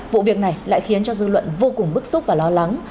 vụ việc này lại khiến cho dư luận vô cùng bức xúc và lo lắng